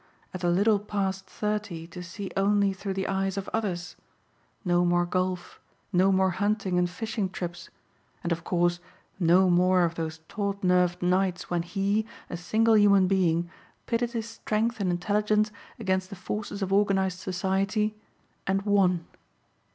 At a little past thirty to see only through the eyes of others. No more golf, no more hunting and fishing trips, and of course no more of those taut nerved nights when he, a single human being, pitted his strength and intelligence against the forces of organized society and won.